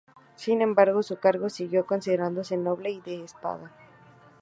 Sin embargo, su cargo siguió considerándose noble y de espada.